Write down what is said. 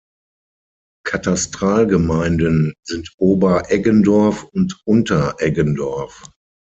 Katastralgemeinden sind Ober-Eggendorf und Unter-Eggendorf.